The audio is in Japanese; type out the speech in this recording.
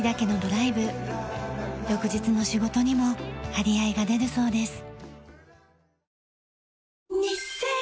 翌日の仕事にも張り合いが出るそうです。